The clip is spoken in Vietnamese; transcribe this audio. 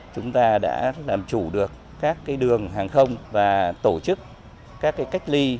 chúng ta đã làm chủ được các đường hàng không và tổ chức các cách ly